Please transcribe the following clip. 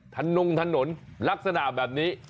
ทะนงทะหนนลักษณะแบบนี้